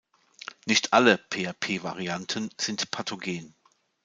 Nicht alle PrP-Varianten sind pathogen.